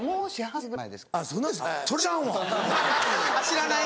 はい。